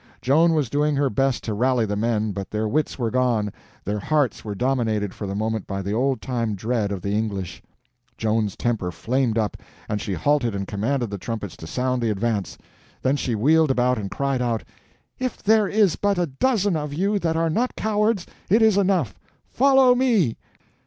Joan was doing her best to rally the men, but their wits were gone, their hearts were dominated for the moment by the old time dread of the English. Joan's temper flamed up, and she halted and commanded the trumpets to sound the advance. Then she wheeled about and cried out: "If there is but a dozen of you that are not cowards, it is enough—follow me!"